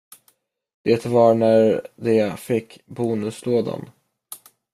Det var när de fick bonuslådan.